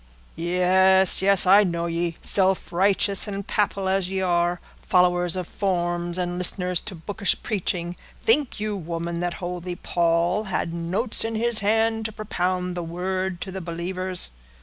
"Yes, yes, I know ye, self righteous and papal as ye are—followers of forms, and listeners to bookish preaching; think you, woman, that holy Paul had notes in his hand to propound the Word to the believers?"